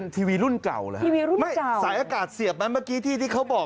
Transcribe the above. ทีวีรุ่นเก่าหรือครับสายอากาศเสียบมั้ยเมื่อกี้ที่เขาบอก